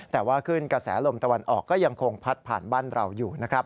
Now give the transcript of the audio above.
แต่ว่าขึ้นกระแสลมตะวันออกก็ยังคงพัดผ่านบ้านเราอยู่นะครับ